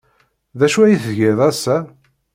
D acu ay tgiḍ ass-a?